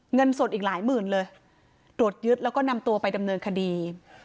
เงินสดอีกหลายหมื่นเลยตรวจยึดแล้วก็นำตัวไปดำเนินคดี